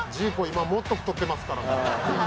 今もっと太ってますからね。